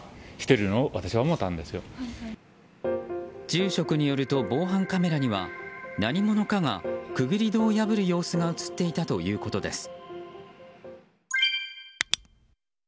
住職によると防犯カメラには何者かがくぐり戸を破る様子が映っていたということです。